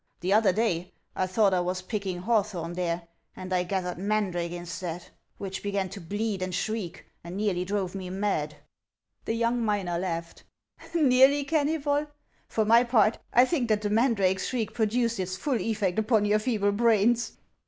The other day I thought I was picking hawthorn there, and I gathered mandrake instead, which began to bleed and shriek, and nearly drove me mad." 204 HANS OF ICELAND. The young miner laughed. " Xeaiiy, Kenuybol ? For my part, I think that the mandrake's shriek produced its full effect upon your feeble brains."